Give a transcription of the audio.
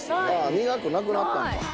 苦くなくなったのか。